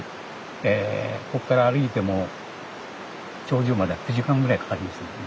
ここから歩いても頂上までは９時間ぐらいかかりますのでね。